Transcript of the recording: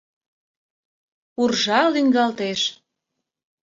Уржа лӱҥгалтеш.